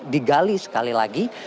digali sekali lagi